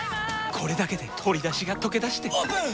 これだけで鶏だしがとけだしてオープン！